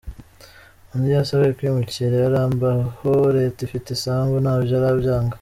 Undi yasabwe kwimukira Yaramba aho Leta ifite isambu nabyo arabyanga.